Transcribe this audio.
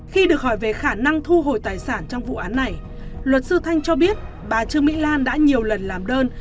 khi được hỏi về khả năng thu hồi tài sản trong vụ án này luật sư thanh cho biết bà trương mỹ lan đã nhiều lần làm đơn